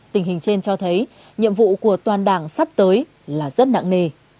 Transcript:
tình hình trên cho thấy nhiệm vụ của toàn đảng sắp tới là rất nặng nề